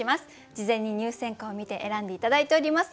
事前に入選歌を見て選んで頂いております。